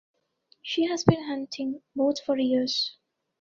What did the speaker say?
She has been hunting both for years.